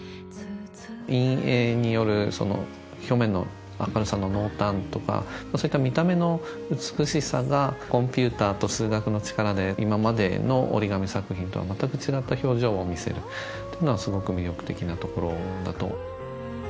陰影によるその表面の明るさの濃淡とかそういった見た目の美しさがコンピューターと数学の力で今までの折り紙作品とはまったく違った表情を見せるというのはすごく魅力的なところだと。